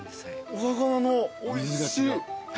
お魚のおいしい。